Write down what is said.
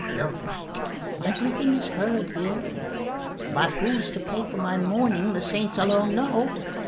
You're right. Everything is heard here. But who's to pay for my mourning the saints alone know!